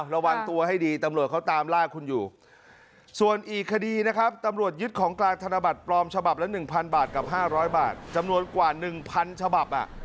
แล้ว๑๐๐๐บาทกับ๕๐๐บาทจำนวนกว่า๑๐๐๐ฉบับ